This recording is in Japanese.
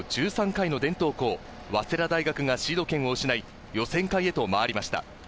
１３回の伝統校・早稲田大学がシード権を失い予選会へとまいりました。